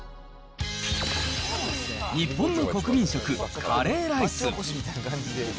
日本の国民食、カレーライス。